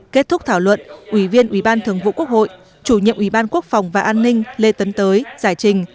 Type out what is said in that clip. kết thúc thảo luận ủy viên ủy ban thường vụ quốc hội chủ nhiệm ủy ban quốc phòng và an ninh lê tấn tới giải trình